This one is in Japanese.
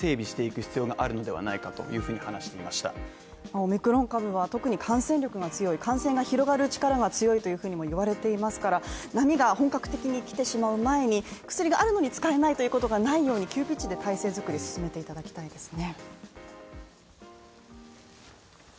オミクロン株は特に感染力が強い感染が広がる力が強いというふうにも言われていますから、波が本格的に来てしまう前に薬があるのに使えないということがないように急ピッチで体制作りを進めていただきたいですね。